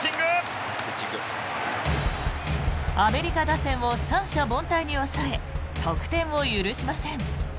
アメリカ打線を三者凡退に抑え得点を許しません。